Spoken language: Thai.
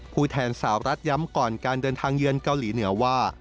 ผู้แทนสาวรัฐย้ำก่อนการเดินทางเยือนเกาหลีเหนือว่า